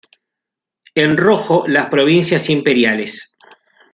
En rojo las provincias imperiales.